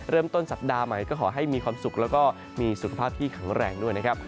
เริ่มต้นสัปดาห์ใหม่ก็ขอให้มีความสุขแล้วก็มีสุขภาพที่แข็งแรงด้วยนะครับ